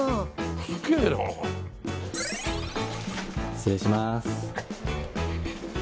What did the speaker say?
失礼します。